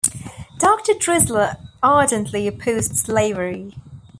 Doctor Drisler ardently opposed slavery.